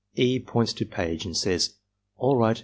E. points to page and says, "All right.